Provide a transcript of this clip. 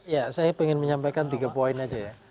ya saya ingin menyampaikan tiga poin aja ya